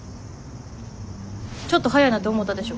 ちょっと早いなって思ったでしょ？